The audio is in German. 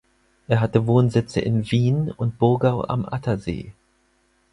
Er hatte Wohnsitze in Wien und Burgau am Attersee.